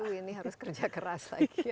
oh ini harus kerja keras lagi